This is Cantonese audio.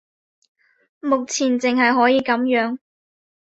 目前淨係可以噉樣